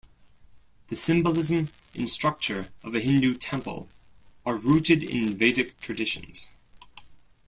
The symbolism and structure of a Hindu temple are rooted in Vedic traditions.